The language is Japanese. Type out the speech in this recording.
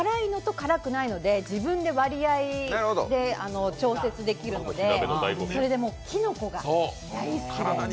辛くないので自分で割合で調節できるのでそれでキノコが大好きで。